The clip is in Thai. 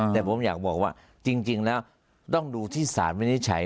แต่ผมอยากบอกว่าจริงแล้วต้องดูที่สารวินิจฉัย